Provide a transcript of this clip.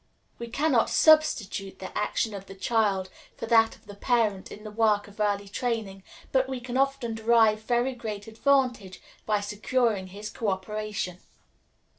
We can not substitute the action of the child for that of the parent in the work of early training, but we can often derive very great advantage by securing his cooperation.